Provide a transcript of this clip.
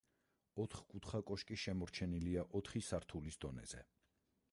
ოთხკუთხა კოშკი შემორჩენილია ოთხი სართულის დონეზე.